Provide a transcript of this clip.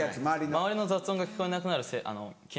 周りの雑音が聞こえなくなる機能が。